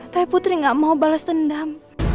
tapi putri gak mau balas dendam